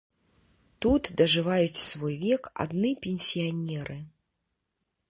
Тут дажываюць свой век адны пенсіянеры.